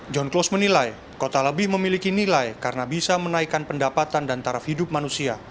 john close menilai kota lebih memiliki nilai karena bisa menaikkan pendapatan dan taraf hidup manusia